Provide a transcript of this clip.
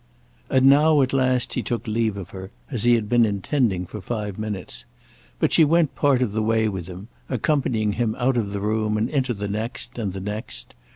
And now at last he took leave of her, as he had been intending for five minutes. But she went part of the way with him, accompanying him out of the room and into the next and the next.